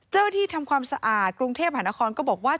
เจ้าหน้าที่ทำความสะอาดกรุงเทพฯหานครก็บอกว่า